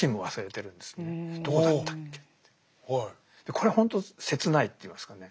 これはほんと切ないっていいますかね。